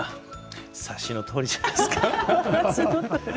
お察しのとおりじゃないですか？